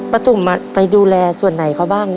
ตุ๋มไปดูแลส่วนไหนเขาบ้าง